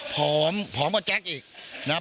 ผอมผอมก็แจ๊คอีกนะง